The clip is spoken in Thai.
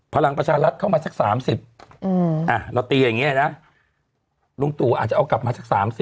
พลังประชารัฐเข้ามาสัก๓๐เราตีอย่างนี้นะลุงตู่อาจจะเอากลับมาสัก๓๐